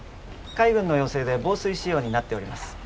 海軍の要請で防水仕様になっております。